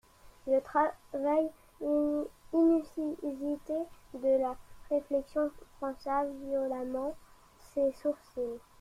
Le travail inusité de la réflexion fronça violemment ses sourcils.